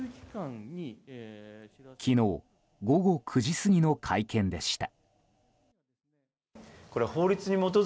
昨日午後９時過ぎの会見でした。